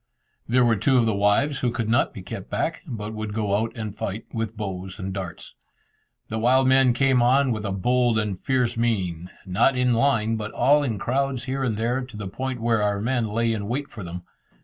There were two of the wives who could not be kept back, but would go out and fight with bows and darts. The wild men came on with a bold and fierce mien, not in a line, but all in crowds here and there, to the point were our men lay in wait for them.